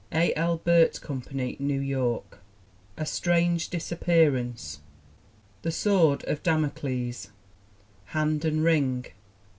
A. L. Burt Company, New York. A Strange Disappearance. The Sword of Damocles. Hand and Ring.